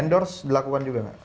endorse dilakukan juga nggak